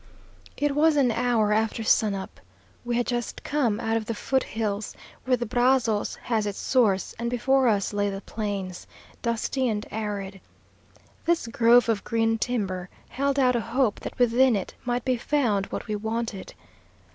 It was an hour after sun up. We had just come out of the foothills, where the Brazos has its source, and before us lay the plains, dusty and arid. This grove of green timber held out a hope that within it might be found what we wanted.